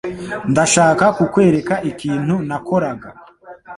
Ndashaka kukwereka ikintu nakoraga.